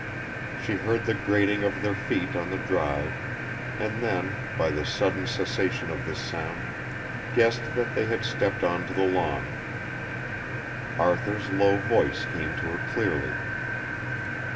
She heard the grating of their feet on the drive, and then, by the sudden cessation of this sound, guessed that they had stepped on to the lawn. Arthur's low voice came to her clearly.